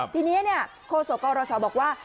ทีนี้เนี่ยโฆษกรชบอกว่า